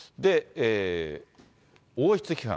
王室批判。